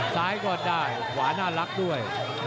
ซ้ายก็ได้ขวาน่ารักด้วย